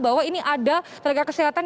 bahwa ini ada tenaga kesehatan